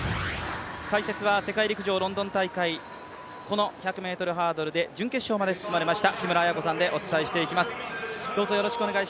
解説は世界陸上ロンドン大会この１００ｍハードルで準決勝まで進まれました木村文子さんでお伝えしていきます。